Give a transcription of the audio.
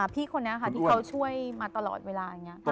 พี่คนนี้ค่ะที่เขาช่วยมาตลอดเวลาอย่างนี้